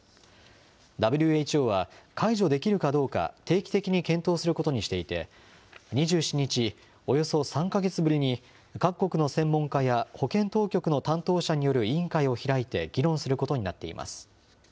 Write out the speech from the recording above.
ＷＨＯは、解除できるかどうか、定期的に検討することにしていて、２７日、およそ３か月ぶりに、各国の専門家や保健当局の担当者による委員会を開いて議論することになっています。